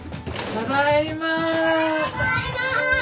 ただいま。